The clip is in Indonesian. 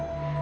oh ya bart